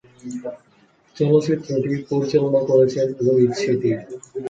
চলচ্চিত্রটি পরিচালনা করেছেন রোহিত শেঠী।